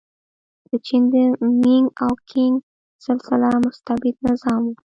د چین د مینګ او کینګ سلسله مستبد نظام و.